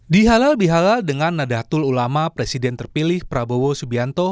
di halal bihalal dengan nadatul ulama presiden terpilih prabowo subianto